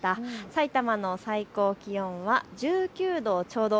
さいたまの最高気温は１９度ちょうど。